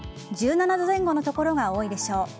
１７度前後の所が多いでしょう。